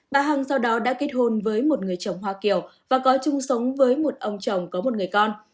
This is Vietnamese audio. bà hằng sau đó đã kết hôn với một người chồng hoa kiều và có chung sống với một ông chồng có một người con